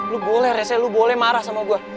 lu boleh rese lu boleh marah sama gue